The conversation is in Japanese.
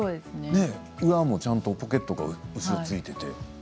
裏も、ちゃんとポケット後ろがついていて。